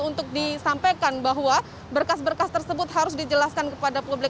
untuk disampaikan bahwa berkas berkas tersebut harus dijelaskan kepada publik